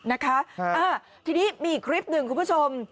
นะคะทีนี้มีอีกคลิปหนึ่งคุณผู้ชม